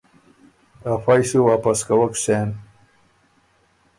ا فئ سُو واپس کوَک سېن۔